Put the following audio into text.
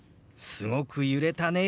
「すごく揺れたね」。